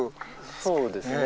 そうですね。